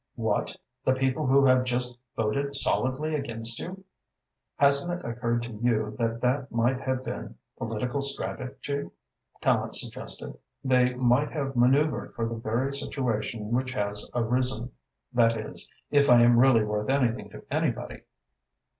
"What, the people who have just voted solidly against you?" "Hasn't it occurred to you that that might have been political strategy?" Tallente suggested. "They might have maneuvered for the very situation which has arisen that is, if I am really worth anything to anybody."